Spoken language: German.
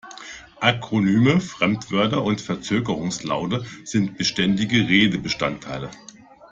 Akronyme, Fremdwörter und Verzögerungslaute sind beständige Redebestandteile.